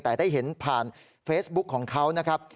แต่ได้เห็นผ่านเฟซบุ๊คของเขานะครับ